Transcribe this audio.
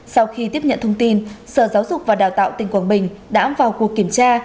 sau khi tiếp nhận thông tin sở giáo dục và đào tạo tỉnh quảng bình đã vào cuộc kiểm tra